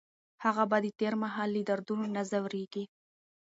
هغه به د تېر مهال له دردونو نه ځوریږي.